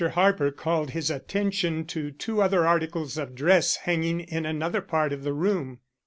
Harper called his attention to two other articles of dress hanging in another part of the room.